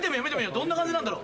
どんな感じなんだろう？